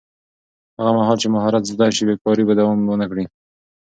هغه مهال چې مهارت زده شي، بېکاري به دوام ونه کړي.